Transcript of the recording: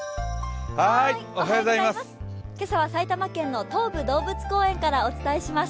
今朝は埼玉県の東武動物公園からお伝えします。